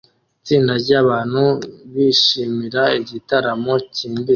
Itsinda ryabantu bishimira igitaramo cyimbitse